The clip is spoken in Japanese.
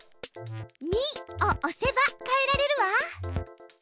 「ミ」を押せば変えられるわ。